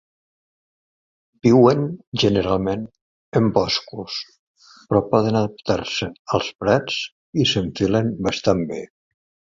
Viuen generalment en boscos, però poden adaptar-se als prats, i s'enfilen bastant bé.